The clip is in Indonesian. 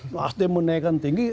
nasdem menaikan tinggi